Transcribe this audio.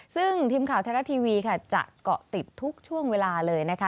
ซึ่งทีมข่าวไทยรัฐทีวีค่ะจะเกาะติดทุกช่วงเวลาเลยนะคะ